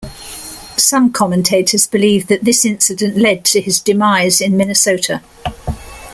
Some commentators believe that this incident led to his demise in Minnesota.